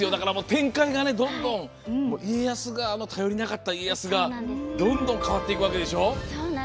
展開が、どんどんあの頼りなかった家康がどんどん変わっていくわけでしょ。